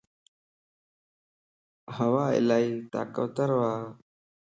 هوالائي طاقتور ا